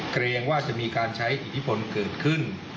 เกรงว่าจะมีการใช้อิทธิพลเกิดขึ้น